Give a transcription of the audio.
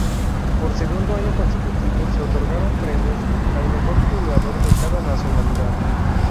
Por segundo año consecutivo, se otorgaron premios al mejor jugador de cada nacionalidad.